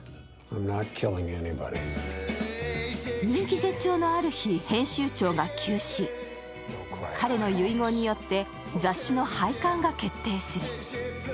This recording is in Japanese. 人気絶頂のある日、編集長が急死彼の遺言によって雑誌の廃刊が決定する。